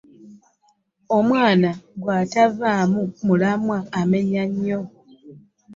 Omwana bwatavamu mulamwa amenya nnyo.